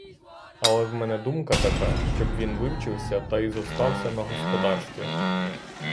Але в мене думка така, щоб він вивчився та й зостався на господарстві.